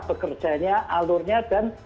bekerjanya alurnya dan